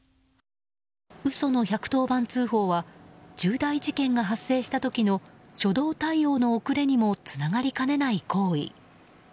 嘘の１１０番通報は重大事件が発生した時の初動対応の遅れにもつながりかねない行為。